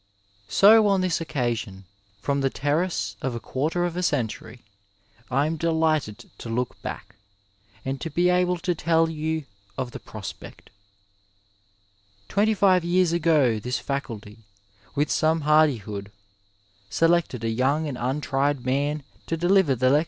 So on this occasion, from the terrace of a quarter of a century, I am delighted to look back, and to be able to tell you of the prospect. Twenty five years ago this Faculty, with some hardi hood, selected a young and untried man to deliver the lee 1 McGill CSoUege, Montreal, 1899.